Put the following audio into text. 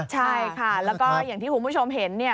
ใช่ค่ะแล้วก็อย่างที่คุณผู้ชมเห็นเนี่ย